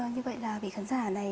như vậy là vị khán giả này